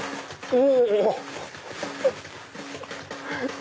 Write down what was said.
お！